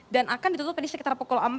dan akan ditutup pada sekitar pukul empat